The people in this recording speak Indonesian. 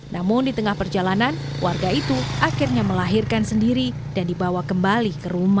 namun di tengah perjalanan warga itu akhirnya melahirkan sendiri dan dibawa kembali ke rumah